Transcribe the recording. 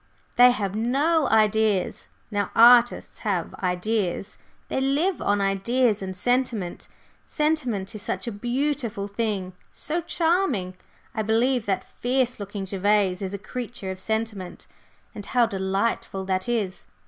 They have no ideas. Now, artists have ideas, they live on ideas and sentiment. Sentiment is such a beautiful thing so charming! I believe that fierce looking Gervase is a creature of sentiment and how delightful that is!